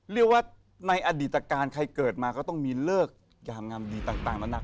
เรียกว่าในอดีตการใครเกิดมาก็ต้องมีเลิกยามงามดีต่างนานา